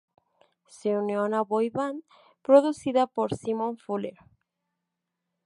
Se unió a una boy band producida por Simon Fuller.